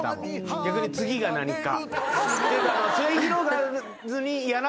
逆に次が何か？